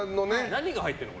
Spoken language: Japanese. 何が入ってるの？